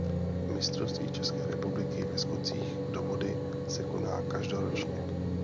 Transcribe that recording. Mistrovství České republiky ve skocích do vody se koná každoročně.